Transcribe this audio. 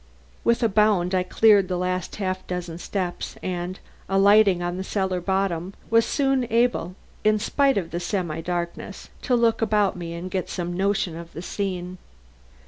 With a bound I cleared the last half dozen steps and, alighting on the cellar bottom, was soon able, in spite of the semi darkness, to look about me and get some notion of the scene.